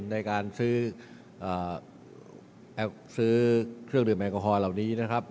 ในการซื้อเครื่องดื่มแอลกอฮอลเหล่านี้นะครับ